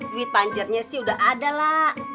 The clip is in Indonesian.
duit panjarnya sih udah ada la